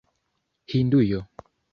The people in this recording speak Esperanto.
Hindujo